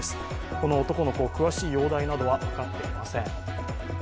この男の子、詳しい容体などは分かっていません。